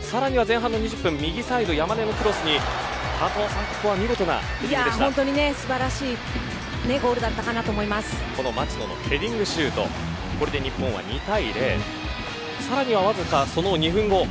さらには、前半２０分右サイド山根のクロスにここは本当に素晴らしい町野のヘディングシュートこれで日本は２対０さらに、わずかその２分後。